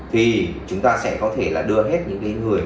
thì chúng ta sẽ có thể là đưa hết những người